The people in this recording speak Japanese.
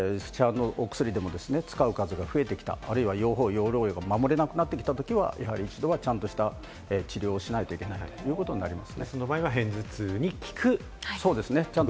ですから、市販のお薬でも使う方が増えてきた、用法・用量を守れなくなってきたときはちゃんとした治療をしないといけないということになります。